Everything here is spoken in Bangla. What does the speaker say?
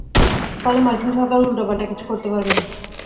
ফলে মার্কিন সরকারও উল্টা-পাল্টা কিছু করতে পারবে না।